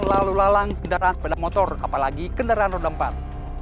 lalu lalang kendaraan sepeda motor apalagi kendaraan roda empat